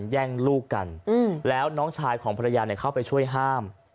แย่งลูกกันแล้วน้องชายของภรรยาเข้าไปช่วยห้าม